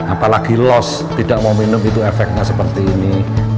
apalagi loss tidak mau minum itu efeknya seperti ini